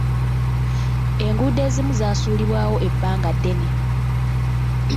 Enguudo ezimu zaasuulibwawo ebbanga ddene.